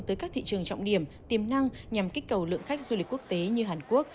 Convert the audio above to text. tới các thị trường trọng điểm tiềm năng nhằm kích cầu lượng khách du lịch quốc tế như hàn quốc